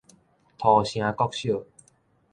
土城國小